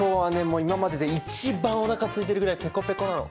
もう今までで一番おなかすいてるぐらいペコペコなの！